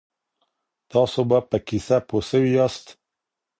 تاسو به په کیسه پوه سوي یاست.